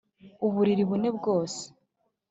uburiri bune bwose